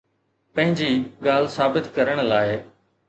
پنهنجي ڳالهه ثابت ڪرڻ لاءِ